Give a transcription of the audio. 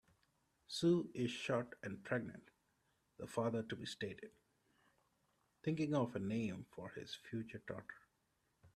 "Sue is short and pregnant", the father-to-be stated, thinking of a name for his future daughter.